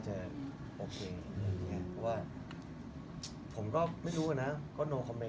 จริงผมก็ไม่ค่อยได้